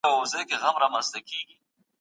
د انسان زغم د هغه د لویوالي نښه ده.